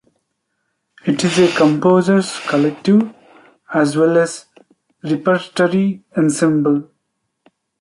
It is a composers' collective as well as repertory ensemble.